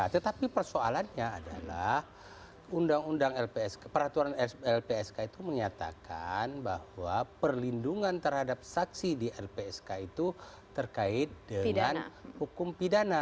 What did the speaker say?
tetapi persoalannya adalah peraturan lpsk itu menyatakan bahwa perlindungan terhadap saksi di lpsk itu terkait dengan hukum pidana